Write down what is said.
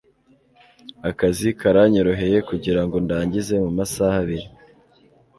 akazi karanyoroheye kugirango ndangize mumasaha abiri